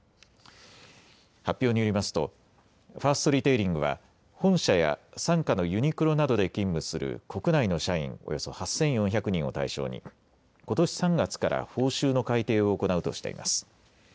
発表によりますとファーストリテイリングは本社や傘下のユニクロなどで勤務する国内の社員およそ８４００人を対象にことし３月から報酬の改定を行うとしています。